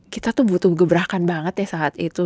kita tuh butuh gebrakan banget ya saat itu